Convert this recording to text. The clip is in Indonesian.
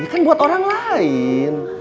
ini kan buat orang lain